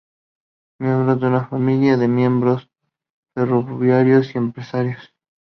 Miembro de una familia de mineros, ferroviarios y empresarios.